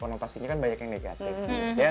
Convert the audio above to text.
konotasinya kan banyak yang negatif